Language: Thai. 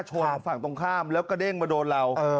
ชนฝั่งตรงข้ามแล้วกระเด้งมาโดนเรา